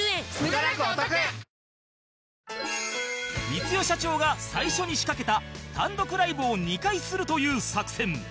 光代社長が最初に仕掛けた単独ライブを２回するという作戦